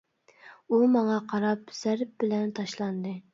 ئۇ ماڭا قاراپ زەرب بىلەن تاشلاندى.